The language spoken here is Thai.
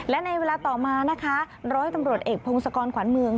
และในเวลาต่อมานะคะร้อยตำรวจเอกพงศกรขวัญเมือง